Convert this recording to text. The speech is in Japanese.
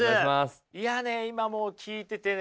いやね今もう聞いててね